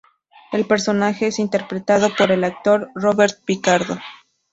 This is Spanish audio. El personaje es interpretado por el actor Robert Picardo.